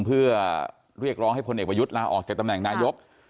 เพื่อเรียกร้องให้พลเอกประยุทธ์ลาออกจากตำแหน่งนายก